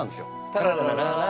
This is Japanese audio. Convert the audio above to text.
タラララララ。